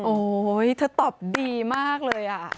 โอ๊ยเธอตอบดีมากเลยอ่ะ